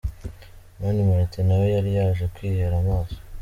Mani Martin nawe yari yaje kwihera amaso.